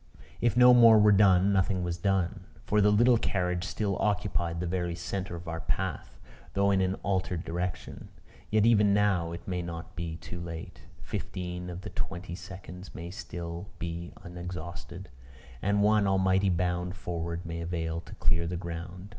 If no more were done, nothing was done; for the little carriage still occupied the very centre of our path, though in an altered direction. Yet even now it may not be too late: fifteen of the twenty seconds may still be unexhausted; and one almighty bound forward may avail to clear the ground.